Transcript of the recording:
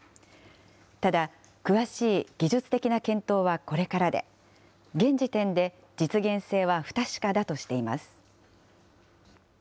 ただ、詳しい技術的な検討はこれからで、現時点で実現性は不確かだとしています。